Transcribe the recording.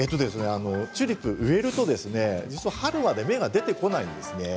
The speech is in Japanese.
チューリップを植えると実は、春まで芽が出てこないんですね。